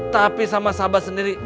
tapi sama sahabat sendiri